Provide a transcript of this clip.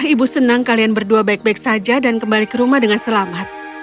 ibu senang kalian berdua baik baik saja dan kembali ke rumah dengan selamat